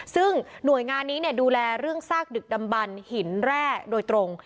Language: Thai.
ซึ่งหน่วยงานนี้ดูแลเรื่องซากดึกดำบันหินแร่โดยตรง